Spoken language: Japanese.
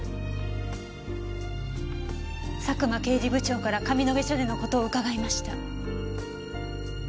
佐久間刑事部長から上野毛署での事をうかがいました。